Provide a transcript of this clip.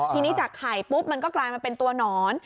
ทีนี้จากไข่ปุ๊บมันก็กลายมาเป็นตัวหนอน